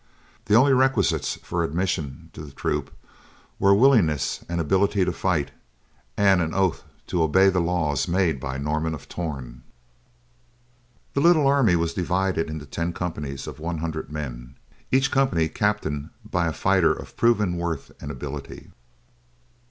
The only requisites for admission to the troop were willingness and ability to fight, and an oath to obey the laws made by Norman of Torn. The little army was divided into ten companies of one hundred men, each company captained by a fighter of proven worth and ability.